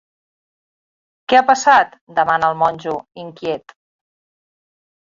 Què ha passat? —demana el monjo, inquiet.